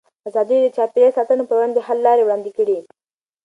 ازادي راډیو د چاپیریال ساتنه پر وړاندې د حل لارې وړاندې کړي.